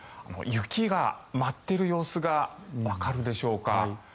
雪が舞っている様子がわかるでしょうか。